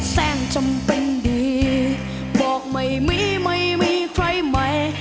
สร้างจำเป็นดีบอกไม่มีไม่มีใครใหม่